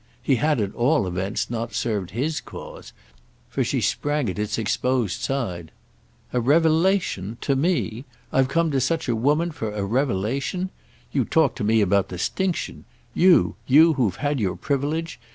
He had at all events not served his cause, for she sprang at its exposed side. "A 'revelation'—to me: I've come to such a woman for a revelation? You talk to me about 'distinction'—you, you who've had your privilege?